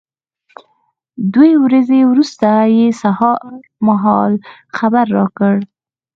دوې ورځې وروسته یې سهار مهال خبر را کړ.